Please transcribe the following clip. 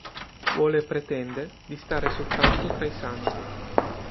Vuole e pretende di stare soltanto tra i "sani".